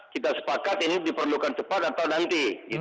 kita sepakat ini diperlukan cepat atau nanti